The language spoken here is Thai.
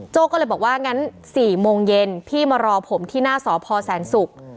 ก็เลยบอกว่างั้น๔โมงเย็นพี่มารอผมที่หน้าสพแสนศุกร์